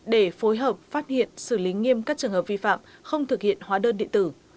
để phối hợp phát hiện xử lý nghiêm các trường hợp vi phạm không thực hiện hóa đơn điện tử